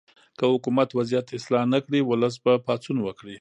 که حکومت وضعیت اصلاح نه کړي، ولس به پاڅون وکړي.